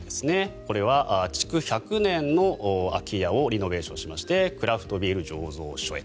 これは築１００年の空き家をリノベーションしましてクラフトビール醸造所へと。